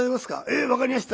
ええ分かりました。